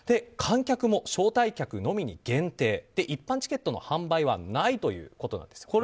観客も招待客のみに限定一般チケットの販売はないということです。